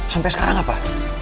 sampai sekarang apa